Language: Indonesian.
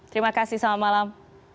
terima kasih selamat malam